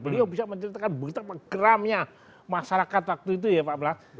beliau bisa menceritakan berita pekeramnya masyarakat waktu itu ya pak blas